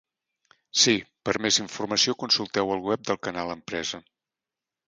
Sí, per a més informació consulteu el web de Canal Empresa.